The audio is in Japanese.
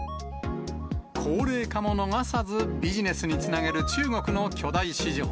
高齢化も逃さずビジネスにつなげる、中国の巨大市場。